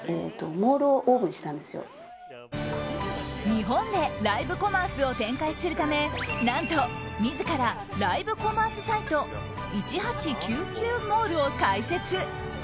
日本でライブコマースを展開するため何と、自らライブコマースサイト１８９９モールを開設。